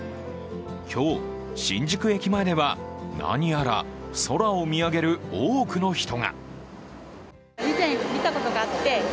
今日、新宿駅前では何やら空を見上げる多くの人が。